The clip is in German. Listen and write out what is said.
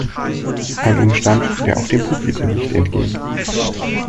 Ein Umstand der auch dem Publikum nicht entging.